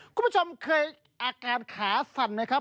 คุณผู้ชมเคยอาการขาสั่นไหมครับ